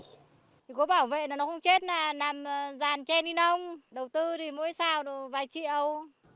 cố bảo vệ là nó không chết là làm ràn che đi nông đầu tư thì mỗi sao là vài triệu